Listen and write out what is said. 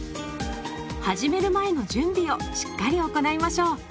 始める前の準備をしっかり行いましょう。